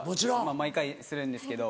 毎回するんですけど。